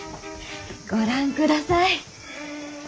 ご覧ください。